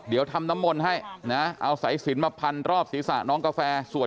เดี๋ยวทำน้ำมนต์ให้นะเอาสายสินมาพันรอบศีรษะน้องกาแฟ